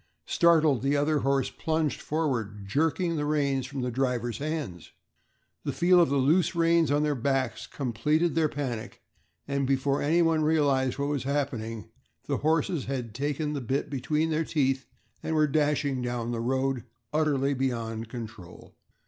Startled, the other horse plunged forward, jerking the reins from the driver's hands. The feel of the loose reins on their backs completed their panic, and before anyone realized what was happening, the horses had taken the bit between their teeth and were dashing down the road, utterly beyond control.